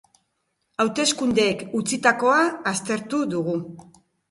Hauteskundeek utzitakoa aztertu dugu.